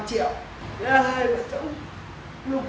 cắn nửa nữa ạ